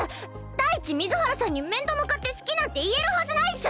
第一水原さんに面と向かって好きなんて言えるはずないっス！